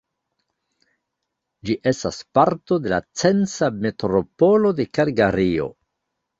Ĝi estas parto de la Censa Metropolo de Kalgario.